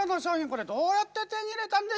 これどうやって手に入れたんでしょうか？